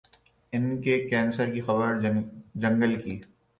ان کے کینسر کی خبر جنگل کی